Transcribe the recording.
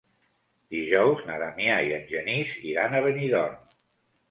Dijous na Damià i en Genís iran a Benidorm.